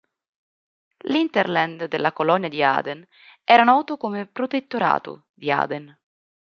L'hinterland della colonia di Aden era noto come Protettorato di Aden.